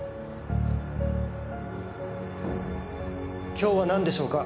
今日はなんでしょうか？